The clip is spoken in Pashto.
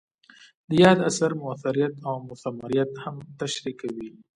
د یاد اثر مؤثریت او مثمریت هم تشریح کوي.